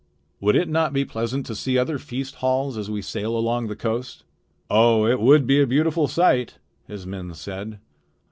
"Would it not be pleasant to see other feast halls as we sail along the coast?" "Oh! it would be a beautiful sight," his men said.